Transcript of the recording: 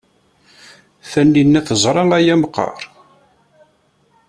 Taninna teẓra aya meqqar?